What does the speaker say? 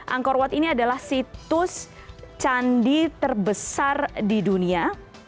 angkor wat ini adalah situs candi terbesar di dunia